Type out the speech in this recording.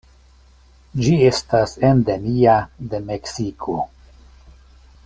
Ĝi estas endemia de Meksiko.